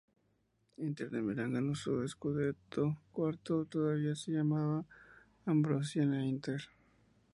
Inter de Milán ganó su cuarto "scudetto", todavía se llamaba Ambrosiana-Inter.